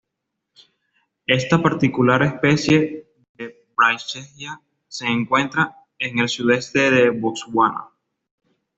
Esta particular especie de "Brachystegia" se encuentra en el sudoeste de Botswana.